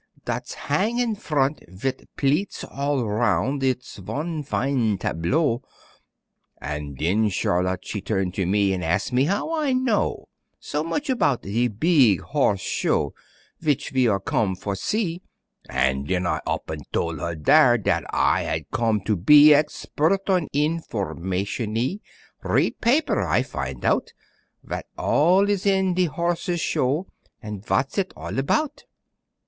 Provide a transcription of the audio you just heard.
Dat's hang in front vit pleats all roun' It is von fin' tableau." An' den Charlotte she turn to me An' ask me how I know So moch about de Beeg Horse Show, W'ich we are com' for see; An' den I op an' tol' her dere Dat I had com' to be Expert on informatione, Read papier, I fin' out Vat all is in de Horse's Show, An' vat's it all about.